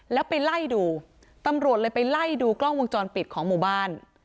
แล้วไปไล่ดูตำรวจเลยไปไล่ดูกล้องวงจรปิดของหมู่บ้าน